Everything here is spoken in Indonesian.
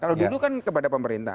kalau dulu kan kepada pemerintah